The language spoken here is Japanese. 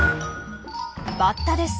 バッタです。